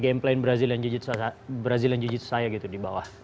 ya saya main game play brazilian jiu jitsu saya gitu di bawah